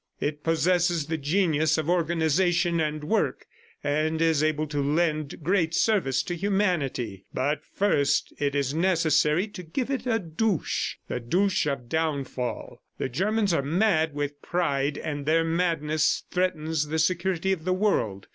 It possesses the genius of organization and work, and is able to lend great service to humanity. ... But first it is necessary to give it a douche the douche of downfall. The Germans are mad with pride and their madness threatens the security of the world.